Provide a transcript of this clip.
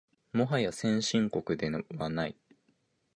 もはや先進国ではない